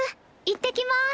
行ってきます。